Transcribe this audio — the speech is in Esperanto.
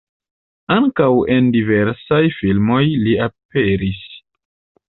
Ankaŭ en diversaj filmoj li aperis.